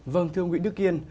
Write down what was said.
vâng thưa ông nguyễn đức yên